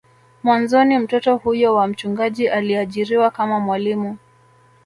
Mwanzoni mtoto huyo wa mchungaji aliajiriwa kama mwalimu